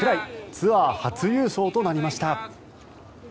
ツアー初優勝となりました。